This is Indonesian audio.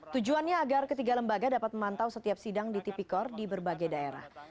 tujuannya agar ketiga lembaga dapat memantau setiap sidang di tipikor di berbagai daerah